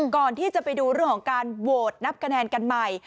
ก่อนที่จะไปดูเรื่องของการโหวตนับคะแนนกันใหม่